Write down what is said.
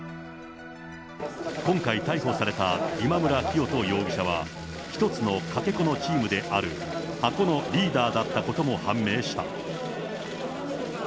今回逮捕された今村磨人容疑者は、１つのかけ子のチームである箱のリーダーだったことも判明した。